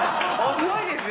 遅いですよ！